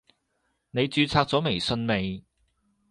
你註冊咗微信未？